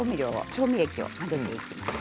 調味液を混ぜていきます。